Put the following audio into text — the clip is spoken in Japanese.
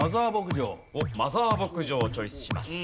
マザー牧場をチョイスします。